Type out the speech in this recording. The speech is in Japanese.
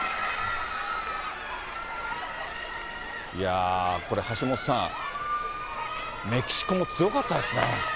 いやー、これ、橋下さん、メキシコも強かったですね。